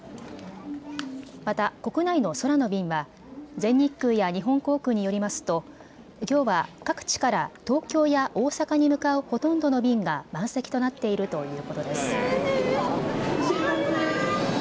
また国内の空の便は全日空や日本航空によりますときょうは各地から東京や大阪に向かうほとんどの便が満席となっているということです。